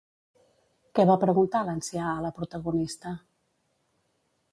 Què va preguntar l'ancià a la protagonista?